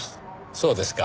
そうですか。